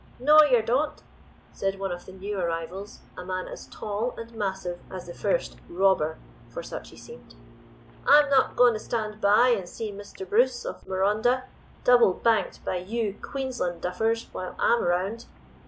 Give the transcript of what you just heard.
"'No, yer don't!' said one of the new arrivals, a man as tall and massive as the first 'robber' (for such he seemed). 'I'm not goen' to stand by and see Mr. Bruce, of Marondah, double banked by you Queensland duffers while I'm round.